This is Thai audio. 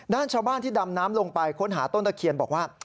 ด้านชาวบ้านที่ดำน้ำลงไปค้นหาต้นตะเคียนบอกว่า